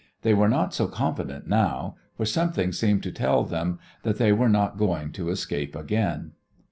They were not so confident now, for something seemed to tell them that they were not going to escape again.